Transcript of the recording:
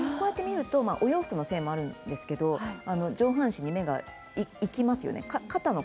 お洋服のせいもあるんですが上半身に目がいきますね。